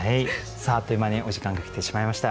さああっという間にお時間が来てしまいました。